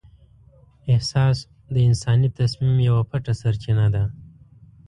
احساس د انساني تصمیم یوه پټه سرچینه ده.